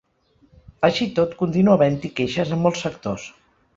Així i tot, continua havent-hi queixes en molts sectors.